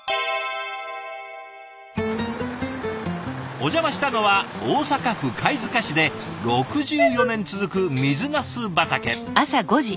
お邪魔したのは大阪府貝塚市で６４年続く水なす畑。